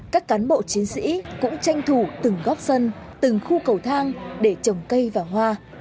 các cán bộ chiến sĩ cũng tranh thủ từng góp sân từng khu cầu thang để trồng cây và hoa